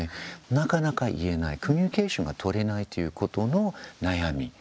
なかなか言えないコミュニケーションが取れないということの悩み